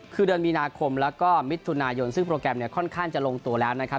คือเดือนมีนาคมแล้วก็มิถุนายนซึ่งโปรแกรมเนี่ยค่อนข้างจะลงตัวแล้วนะครับ